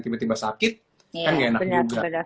tiba tiba sakit kan gak enak juga